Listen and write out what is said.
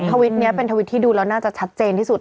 ทวิตนี้เป็นทวิตที่ดูแล้วน่าจะชัดเจนที่สุด